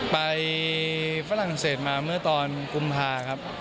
ฝรั่งเศสมาเมื่อตอนกุมภาครับ